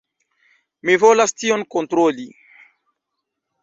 Mi volas tion kontroli.